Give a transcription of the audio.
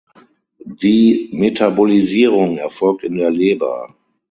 Die Metabolisierung erfolgt in der Leber.